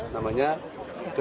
nama resmi bandara